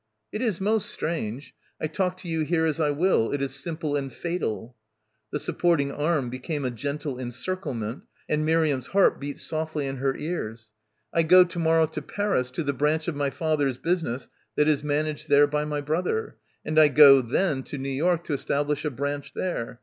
. "It is most strange. I talk to you here as I will. It is simple and fatal"; the supporting arm became a gentle encirclement and Miriam's heart beat softly in her ears. "I go to morrow to Paris to the branch of my father's business that is managed there by my brother. And I go then to New York to establish a branch there.